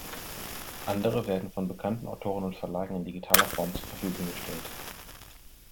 Andere werden von bekannten Autoren und Verlagen in digitaler Form zur Verfügung gestellt.